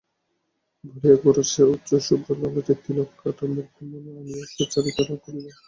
বলিয়া গোরার সেই উচ্চ শুভ্র ললাটে তিলক-কাটা মূর্তি মনে আনিয়া সুচরিতা রাগ করিল।